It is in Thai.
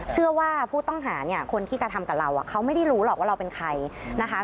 เชื่อว่าผู้ต้องหาเนี่ยคนที่กระทำกับเราเขาไม่ได้รู้หรอกว่าเราเป็นใครนะคะ